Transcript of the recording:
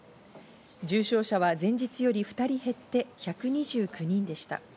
重症者は前日より２人減って１２９人でした。